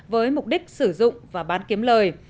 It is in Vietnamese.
với mục đích sử dụng và bán kiếm lời